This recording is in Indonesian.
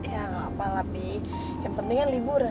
ya gak apa apa bi yang penting kan liburan